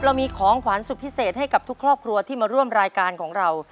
เรามีของขวัญสุดพิเศษให้กับทุกครอบครัวที่มาร่วมรายการของเรา